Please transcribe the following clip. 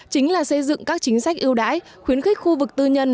chính là xây dựng các chính sách ưu đãi khuyến khích khu vực tư nhân